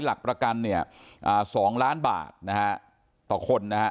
หลักประกันเนี่ย๒ล้านบาทนะฮะต่อคนนะฮะ